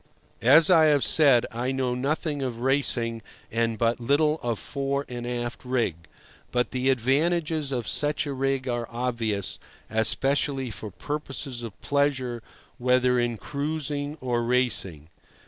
As I have said, I know nothing of racing and but little of fore and aft rig; but the advantages of such a rig are obvious, especially for purposes of pleasure, whether in cruising or racing.